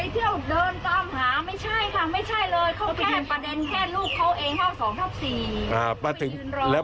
พอมารับลูกแล้ว